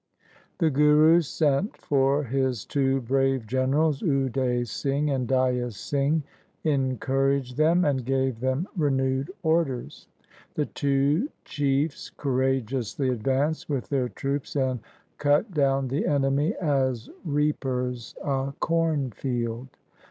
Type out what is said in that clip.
The Guru sent for his two brave generals, Ude Singh and Daya Singh, encouraged them, and gave them renewed orders. The two chiefs courageously ad vanced with their troops and cut down the enemy as reapers a cornfield.